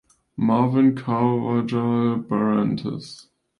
Marvin Carvajal Barrantes.